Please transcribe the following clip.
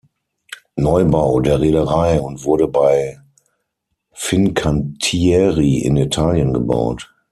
Neubau der Reederei und wurde bei Fincantieri in Italien gebaut.